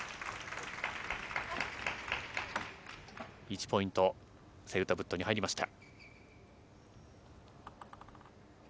１ポイント、セウタブットに入りました。